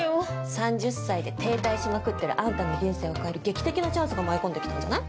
３０歳で停滞しまくってるあんたの人生を変える劇的なチャンスが舞い込んで来たんじゃない？